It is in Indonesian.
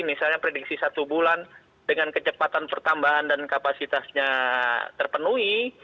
misalnya prediksi satu bulan dengan kecepatan pertambahan dan kapasitasnya terpenuhi